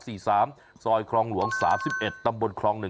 ซอยครองหลวง๓๑ตำบลครอง๑